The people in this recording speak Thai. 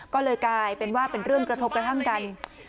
ก็เลยกลายเป็นว่าเป็นเรื่องกระทบกระทั่งกัน